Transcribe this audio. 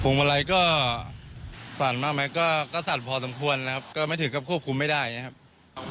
มาลัยก็สั่นมากไหมก็สั่นพอสมควรนะครับก็ไม่ถึงกับควบคุมไม่ได้นะครับ